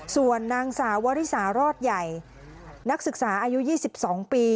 ส่วนนางสาววริสารอดใหญ่นักศึกษาอายุ๒๒ปี